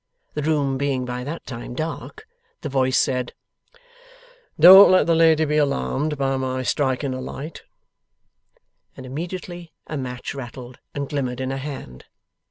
The room being by that time dark, the voice said, 'Don't let the lady be alarmed by my striking a light,' and immediately a match rattled, and glimmered in a hand.